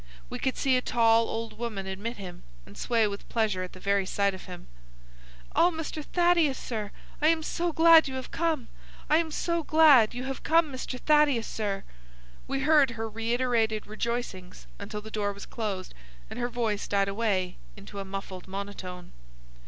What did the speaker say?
We could see a tall old woman admit him, and sway with pleasure at the very sight of him. "Oh, Mr. Thaddeus, sir, I am so glad you have come! I am so glad you have come, Mr. Thaddeus, sir!" We heard her reiterated rejoicings until the door was closed and her voice died away into a muffled monotone.